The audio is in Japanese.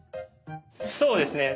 そうですね。